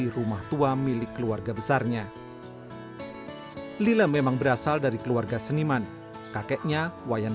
rumah tua milik keluarga besarnya lila memang berasal dari keluarga seniman kakeknya wayan